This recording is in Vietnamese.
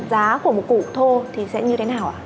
giá của một cụ thô thì sẽ như thế nào ạ